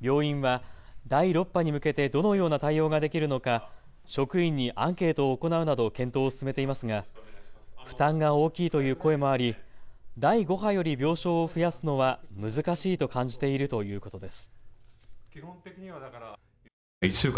病院は第６波に向けてどのような対応ができるのか職員にアンケートを行うなど検討を進めていますが負担が大きいという声もあり第５波より病床を増やすのは難しいと感じているということです。